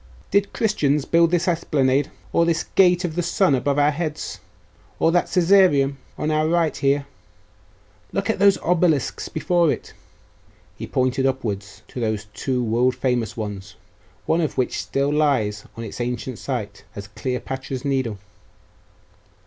Did Christians build this esplanade, or this gate of the Sun above our heads? Or that Caesareum on our right here? Look at those obelisks before it!' And he pointed upwards to those two world famous ones, one of which still lies on its ancient site, as Cleopatra's Needle.